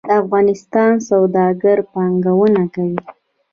د افغانستان سوداګر پانګونه کوي